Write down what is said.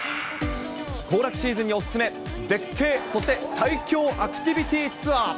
行楽シーズンにお勧め、絶景、そして最恐アクティビティーツアー。